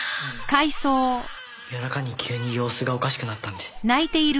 夜中に急に様子がおかしくなったんです。